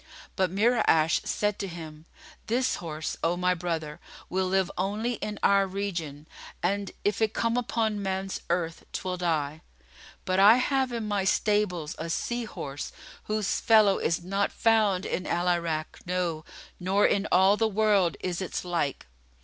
But Mura'ash said to him, "This horse, O my brother, will live only in our region, and, if it come upon man's earth, 'twill die: but I have in my stables a sea horse, whose fellow is not found in Al Irak, no, nor in all the world is its like."